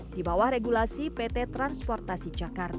di bawah regulasi pt transportasi jakarta